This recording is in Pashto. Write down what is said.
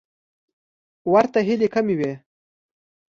ورته هیلې کمې وې.